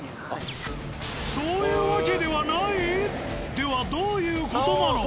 ではどういう事なのか。